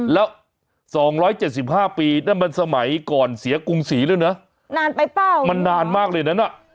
แล้ว๒๗๕ปีนั่นมันสมัยก่อนเสียกรุงศรีแล้วนะนานไปเปล่ามันนานมากเลยนั้นอ่ะ